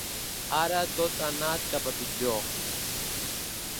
Ara tot ha anat cap a pitjor.